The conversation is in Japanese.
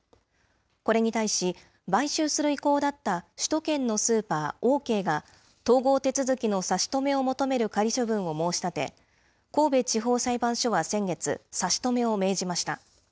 これに対し、買収する意向だった首都圏のスーパー、オーケーが、統合手続きの差し止めを求める仮処分を申し立て、神戸地方裁判所は先月、差し止めを命じました。